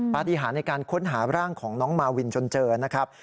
ปฏิหารในการค้นหาร่างของน้องมาวินจนเจอนะครับ